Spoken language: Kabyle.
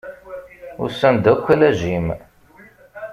Usan-d akk ala Jim.